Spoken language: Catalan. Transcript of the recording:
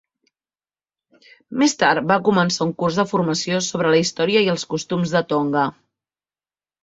Més tard va començar un curs de formació sobre la història i els costums de Tonga.